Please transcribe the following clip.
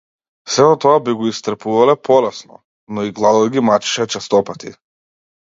Сето тоа би го истрпувале полесно, но и гладот ги мачеше честопати.